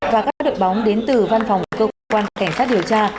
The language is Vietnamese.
và các đội bóng đến từ văn phòng cơ quan cảnh sát điều tra